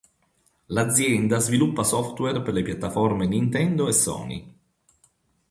L'azienda sviluppa software per le piattaforme Nintendo e Sony.